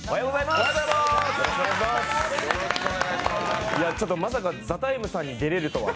まさか「ＴＨＥＴＩＭＥ，」さんに出れるとは。